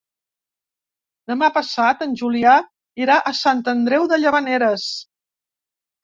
Demà passat en Julià irà a Sant Andreu de Llavaneres.